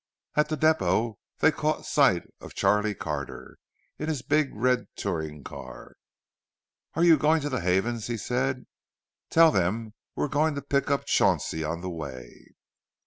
At the depot they caught sight of Charlie Carter, in his big red touring car. "Are you going to the Havens's?" he said. "Tell them we're going to pick up Chauncey on the way."